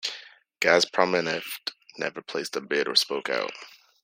Gazpromneft never placed a bid or spoke out.